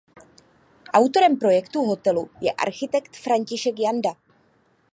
Autorem projektu hotelu je architekt František Janda.